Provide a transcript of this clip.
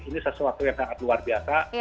ini sesuatu yang sangat luar biasa